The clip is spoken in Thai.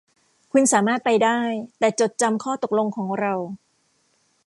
คุณสามารถไปได้ แต่จดจำข้อตกลงของเรา